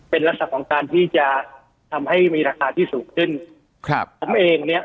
เป็นลักษณะของการที่จะทำให้มีราคาที่สูงขึ้นครับผมเองเนี้ย